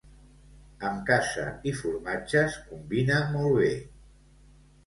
Amb caça i formatges combina molt bé.